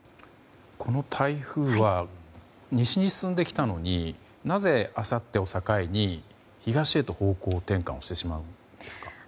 この台風は西に進んできたのになぜ、あさってを境に東へと方向転換をしてしまうんですか。